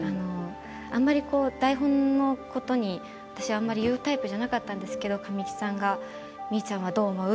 あまり台本のことに私、あまり言うタイプではなかったんですけど神木さんがみーちゃんはどう思う？